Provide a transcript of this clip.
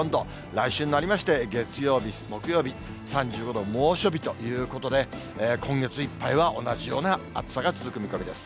来週になりまして、月曜日、木曜日、３５度、猛暑日ということで、今月いっぱいは同じような暑さが続く見込みです。